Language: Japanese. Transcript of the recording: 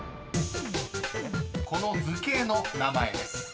［この図形の名前です］